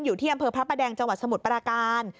อยู่ที่อำเภอพระประแดงจังหวัดสมุทรปราการ